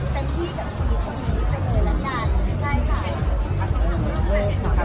เต็มที่กับชีวิตตรงนี้เต็มเลยแล้วจ้ะ